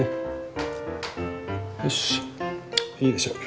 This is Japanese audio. よしいいでしょう。